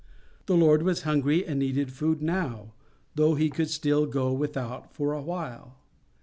The Lord was hungry and needed food now, though He could still go without for a while.